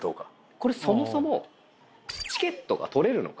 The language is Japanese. これそもそもチケットが取れるのか。